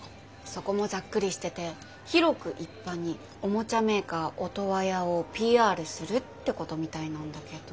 そこもざっくりしてて広く一般におもちゃメーカーオトワヤをＰＲするってことみたいなんだけど。